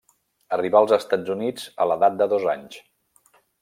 Arribà als Estats Units a l'edat de dos anys.